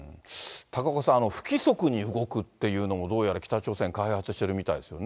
高岡さん、不規則に動くっていうのも、どうやら北朝鮮、開発しているみたい